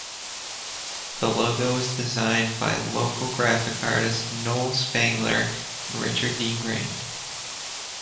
The logo was designed by local graphic artists Noel Spangler and Richard D. Grant.